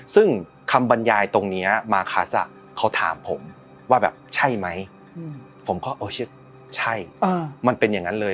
ซึ่งคำบรรยายตรงนี้มาคัสเขาถามผมว่าแบบใช่ไหมผมก็ใช่มันเป็นอย่างนั้นเลย